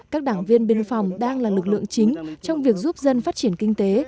các đảng viên biên phòng đang là lực lượng chính trong việc giúp dân phát triển kinh tế